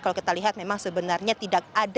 kalau kita lihat memang sebenarnya tidak ada